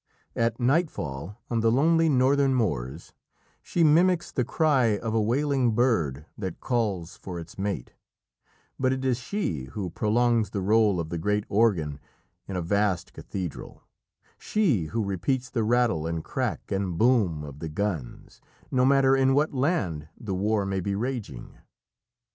At nightfall, on the lonely northern moors, she mimics the cry of a wailing bird that calls for its mate, but it is she who prolongs the roll of the great organ in a vast cathedral, she who repeats the rattle and crack and boom of the guns, no matter in what land the war may be raging.